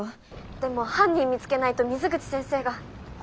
でも犯人見つけないと水口先生が。